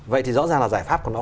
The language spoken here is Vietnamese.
vậy thì rõ ràng là giải pháp của nó